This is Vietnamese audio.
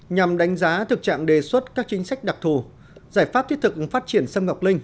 nhằm đánh giá thực trạng đề xuất các chính sách đặc thù giải pháp thiết thực phát triển sâm ngọc linh